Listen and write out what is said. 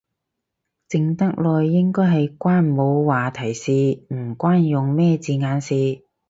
靜得耐應該係關冇話題事，唔關用咩字眼事